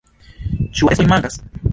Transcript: Ĉu atestoj mankas?